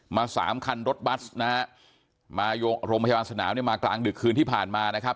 สามคันรถบัสนะฮะมาโรงพยาบาลสนามเนี่ยมากลางดึกคืนที่ผ่านมานะครับ